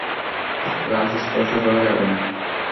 লাশ স্পর্শ করা যাবে না।